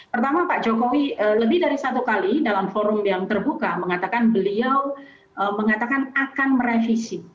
pertama pak jokowi lebih dari satu kali dalam forum yang terbuka mengatakan beliau mengatakan akan merevisi